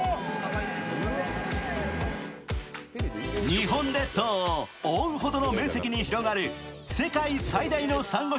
日本列島を覆うほどの面積に広がる世界最大のさんご